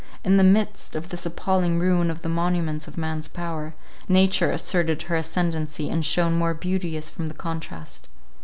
In the midst of this appalling ruin of the monuments of man's power, nature asserted her ascendancy, and shone more beauteous from the contrast.